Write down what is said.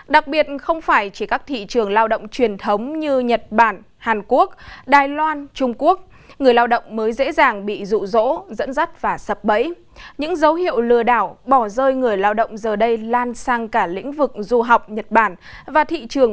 đặc biệt có tình trạng doanh nghiệp không hề được cấp phép mà vẫn tiếp nhận đưa người lao động đi làm việc ở nước ngoài